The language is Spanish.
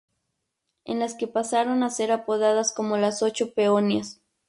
En las que pasaron a ser apodadas como las "Ocho Peonías".